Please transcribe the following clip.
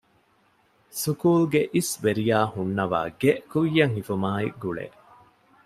ސުކޫލްގެ އިސްވެރިޔާ ހުންނަވާގެ ކުއްޔަށް ހިފުމާއި ގުޅޭ